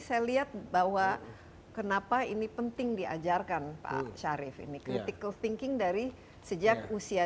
saya lihat bahwa kenapa ini penting diajarkan pak syarif ini critical thinking dari sejak usia